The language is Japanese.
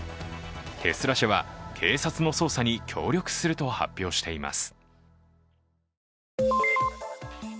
テスラ社は警察の捜査に協力すると発表しています。